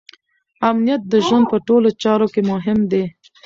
امنیت د ژوند په ټولو چارو کې مهم دی.